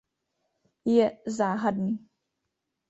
Je "záhadný".